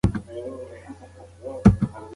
د فرانسې سفیر خپلې ګټې په نښه کړې وې.